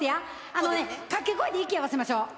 あのね、かけ声で息合わせましょう。